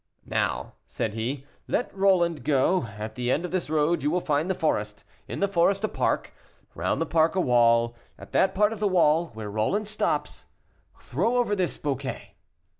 "Now," said he, "let Roland go; at the end of this road you will find the forest, in the forest a park, round the park a wall, and at that part of the wall where Roland stops, throw over this bouquet."